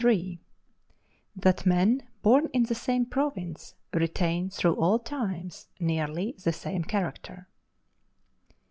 —_That Men born in the same Province retain through all Times nearly the same Character.